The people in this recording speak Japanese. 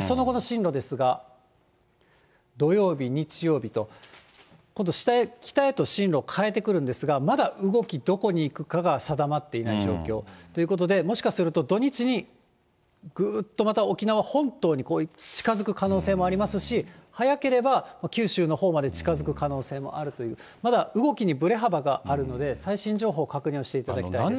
その後の進路ですが、土曜日、日曜日と今度北へ、北へと進路を変えてくるんですが、まだ動き、どこに行くかが定まっていない状況、ということで、もしかすると土日にぐーっとまた沖縄本島に近づく可能性もありますし、早ければ九州のほうまで近づく可能性もあるという、まだ動きにぶれ幅があるので、最新情報、確認をしていただきたいと思います。